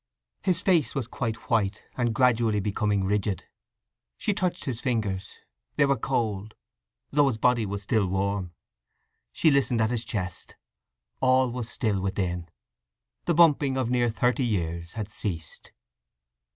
His face was quite white, and gradually becoming rigid. She touched his fingers; they were cold, though his body was still warm. She listened at his chest. All was still within. The bumping of near thirty years had ceased.